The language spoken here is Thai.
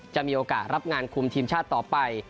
จะมีโอกาสรับงานคุมทีมชาติต่อไป